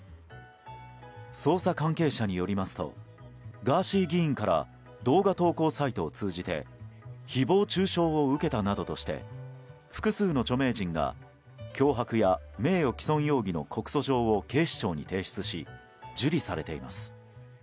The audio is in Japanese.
捜査関係者によりますとガーシー議員から動画投稿サイトを通じて誹謗中傷を受けたなどとして複数の著名人が脅迫や名誉棄損容疑の告訴状を警視庁に提出し受理されています。